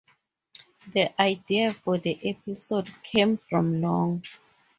The idea for the episode came from Long.